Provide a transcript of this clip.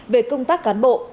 về công tác cán bộ